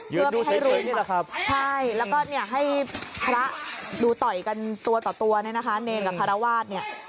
ยืนดูใส่ตัวเองนี่แหละครับใช่แล้วก็เนี่ยให้พระดูต่อยกันตัวต่อตัวเนี่ยนะคะเนรนด์กับฮาราวาสเนี่ย